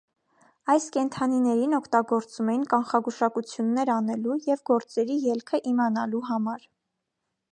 Այս կենդանիներին օգտագործում էին կանխագուշակություններ անելու և գործերի ելքը իմանալու համար։